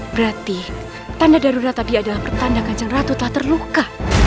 berarti tanda darurat tadi adalah pertanda kajang ratu telah terluka